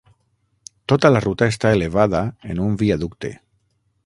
Tota la ruta està elevada en un viaducte.